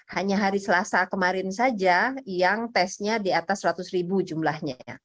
hanya hari selasa kemarin saja yang tesnya di atas seratus ribu jumlahnya